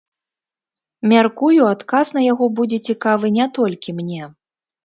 Мяркую, адказ на яго будзе цікавы не толькі мне.